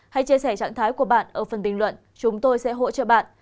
hãy chia sẻ trạng thái của bạn ở phần bình luận chúng tôi sẽ hỗ trợ bạn